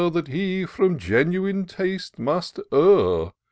That he from genuine taste must err.